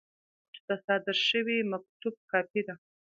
مینوټ د صادر شوي مکتوب کاپي ده.